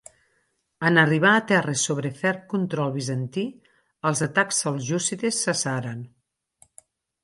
En arribar a terres sobre ferm control bizantí els atacs seljúcides cessaren.